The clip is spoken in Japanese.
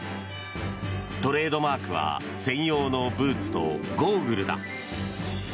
トレードマークは専用のブーツとゴーグルだ。